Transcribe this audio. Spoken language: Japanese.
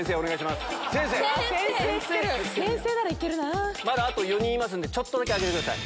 まだあと４人いますんでちょっとだけ上げてください。